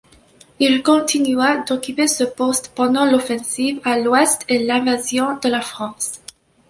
Il continua d'occuper ce poste pendant l'offensive à l'ouest et l'invasion de la France.